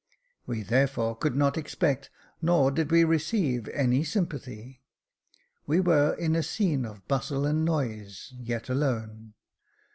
We therefore could not expect, nor did we receive, any sympathy ; we were in a scene of bustle and noise, yet alone.